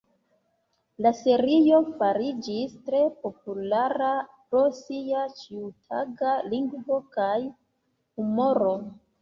La serio fariĝis tre populara pro sia ĉiutaga lingvo kaj humoro.